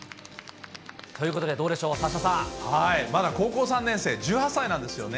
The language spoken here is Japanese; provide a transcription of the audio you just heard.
ということで、どうでしょう、まだ高校３年生、１８歳なんですよね。